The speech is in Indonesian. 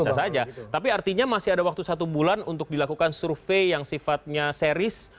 bisa saja tapi artinya masih ada waktu satu bulan untuk dilakukan survei yang sifatnya series